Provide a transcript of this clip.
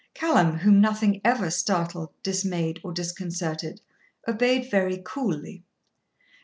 Callum, whom nothing ever startled, dismayed, or disconcerted, obeyed very coolly.